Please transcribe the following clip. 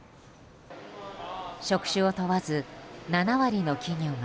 職種を問わず、７割の企業が